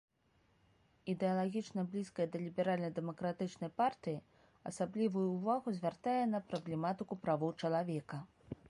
Ідэалагічна блізкая да ліберальна-дэмакратычнай партыі, асаблівую ўвагу звяртае на праблематыку правоў чалавека.